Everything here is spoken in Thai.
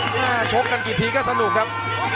ชกกันกี่ทีก็สนุกครับ